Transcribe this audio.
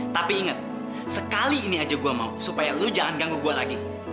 tapi ingat sekali ini aja gue mau supaya lu jangan ganggu gue lagi